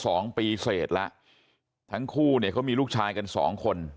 อยู่มา๒ปีเศษแล้วทั้งคู่เขามีลูกชายกัน๒คน